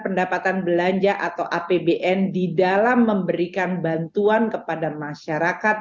pendapatan belanja atau apbn di dalam memberikan bantuan kepada masyarakat